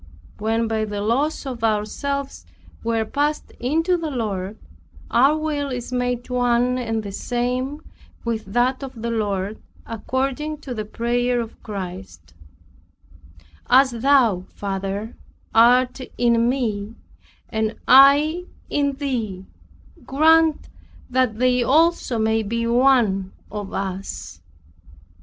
When by the loss of ourselves we are passed into the Lord, our will is made one and the same with that of the Lord, according to the prayer of Christ, "As thou Father art in me, and I in thee, grant that they also may be one of us."